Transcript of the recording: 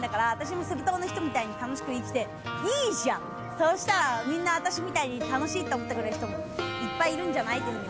そうしたらみんな私みたいに楽しいと思ってくれる人もいっぱいいるんじゃないっていうふうに思った。